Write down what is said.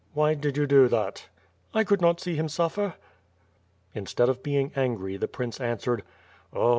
"Why did you do that?" "I could liot see him suffer." Instead of being angry, the prince answered: "Oh!